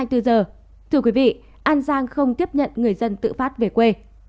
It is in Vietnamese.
thưa quý vị an giang không tiếp nhận người dân tự phát về quê